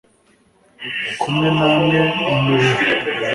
kumwe namwe mu mubiri